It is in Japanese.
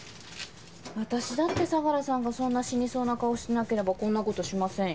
私だって相良さんがそんな死にそうな顔してなければこんなことしませんよ。